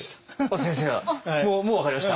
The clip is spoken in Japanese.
先生はもう分かりました？